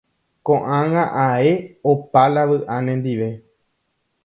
Ko'ág̃a ae opa la vy'a nendive.